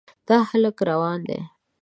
دا هلک روان دی.